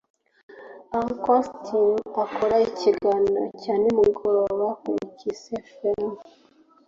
Uncle Austin akora ikiganiro cyanimugoroba kuri kiss fm